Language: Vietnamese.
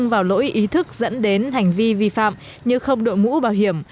vào lỗi ý thức dẫn đến hành vi vi phạm như không đội mũ bảo hiểm